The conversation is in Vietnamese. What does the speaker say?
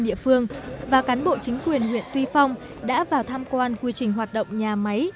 địa phương và cán bộ chính quyền huyện tuy phong đã vào tham quan quy trình hoạt động nhà máy